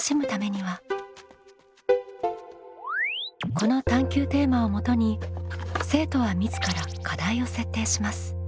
この探究テーマをもとに生徒は自ら課題を設定します。